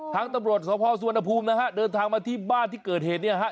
ทางตำรวจสพสุวรรณภูมินะฮะเดินทางมาที่บ้านที่เกิดเหตุเนี่ยฮะ